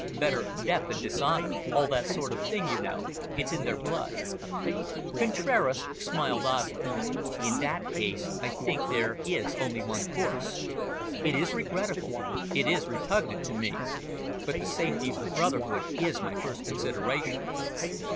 Better death than dishonour, all that sort of thing, you know. It's in their blood." Contraras smiled oddly. "In that case, I think there is only one course. It is regrettable, it is repugnant to me. But the safety of the brotherhood is my first consideration."